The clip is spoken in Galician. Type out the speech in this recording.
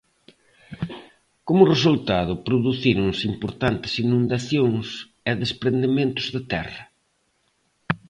Como resultado, producíronse importantes inundacións e desprendementos de terra.